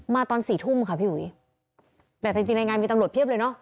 ตอนสี่ทุ่มค่ะพี่อุ๋ยแหมแต่จริงจริงในงานมีตำรวจเพียบเลยเนอะ